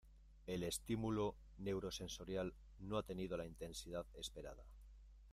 El estímulo neurosensorial no ha tenido la intensidad esperada.